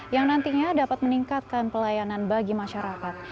yang nantinya dapat meningkatkan pelayanan bagi masyarakat